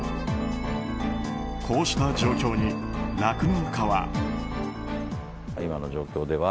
こうした状況に、酪農家は。